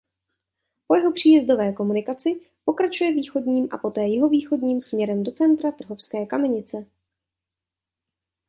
Po jeho příjezdové komunikaci pokračuje východním a poté jihovýchodním směrem do centra Trhové Kamenice.